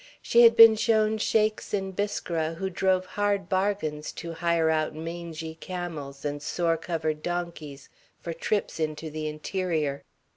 She had been shown Sheiks in Biskra who drove hard bargains to hire out mangy camels and sore covered donkeys for trips into the interior.